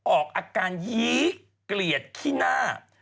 ออกอาการยี้เกลียดขี้หน้า